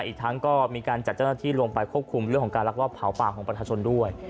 อีกทั้งก็มีการจัดเจ้าหน้าที่ลงไปควบคุมเรื่องของการลักลอบเผาป่าของประชาชนด้วย